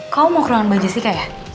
kau mau ke ruangan mbak jessica ya